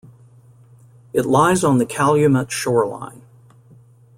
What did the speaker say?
It lies on the Calumet Shoreline.